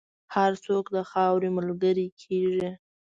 هر څوک د خاورې ملګری کېږي.